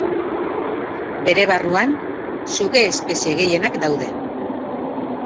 Bere barruan suge espezie gehienak daude.